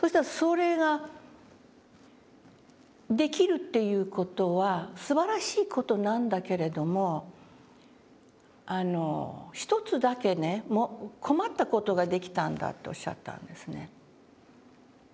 そうしたら「それができるという事はすばらしい事なんだけれども一つだけね困った事ができたんだ」っておっしゃったんですね。